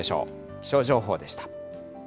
気象情報でした。